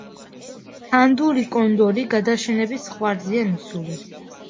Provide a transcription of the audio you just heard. ანდური კონდორი გადაშენების ზღვარზეა მისული.